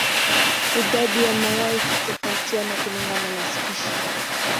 Idadi ya mayai hutofautiana kulingana na spishi.